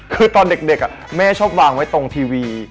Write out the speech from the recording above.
คือตอนเด็กแม่ชอบวางไว้ตรงทีวี